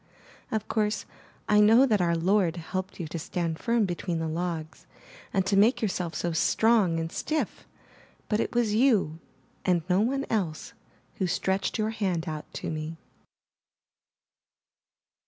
Of course, I know that our Lord helped you to stand firm between the logs, and to make yourself so strong and stiff, but it was you, and no one else, who stretched your hand out to me.